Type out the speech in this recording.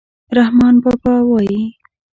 رحمان بابا وایي: